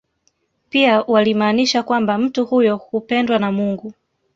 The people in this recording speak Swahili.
Pia walimaanisha kwamba mtu huyo hupendwa na Mungu